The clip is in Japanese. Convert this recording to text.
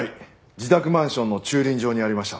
自宅マンションの駐輪場にありました。